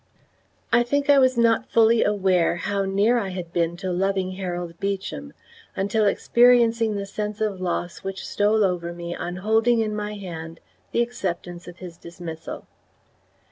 I think I was not fully aware how near I had been to loving Harold Beecham until experiencing the sense of loss which stole over me on holding in my hand the acceptance of his dismissal.